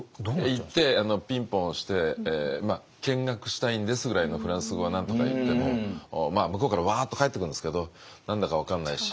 行ってピンポン押して「見学したいんです」ぐらいのフランス語はなんとか言っても向こうからワーッと返ってくるんですけど何だか分からないし。